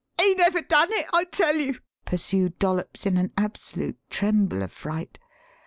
"He never done it, I tell you!" pursued Dollops in an absolute tremble of fright.